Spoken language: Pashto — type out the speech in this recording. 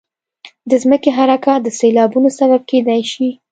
د ځمکې حرکات د سیلابونو سبب کېدای شي.